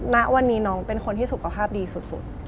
ณวันนี้น้องเป็นคนที่สุขภาพดีสุด